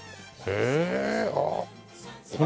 へえ！